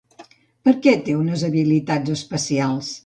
Per què té unes habilitats especials?